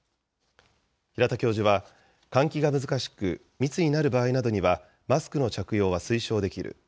平田教授は、換気が難しく、密になる場合などにはマスクの着用は推奨できる。